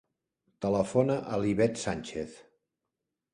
Telefona a l'Ivette Sanchez.